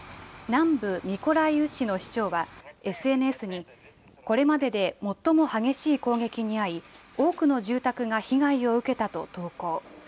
南部ミコライウ市の市長は、ＳＮＳに、これまでで最も激しい攻撃に遭い、多くの住宅が被害を受けたと投稿。